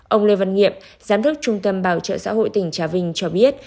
ông lê văn nghiệm giám đốc trung tâm bảo trợ xã hội tỉnh trà vinh cho biết